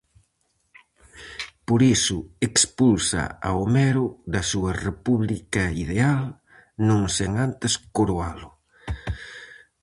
Por iso expulsa a Homero da súa república ideal, non sen antes coroalo.